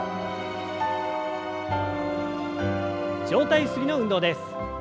上体ゆすりの運動です。